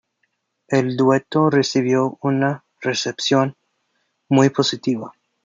El dueto recibió una recepción muy positiva.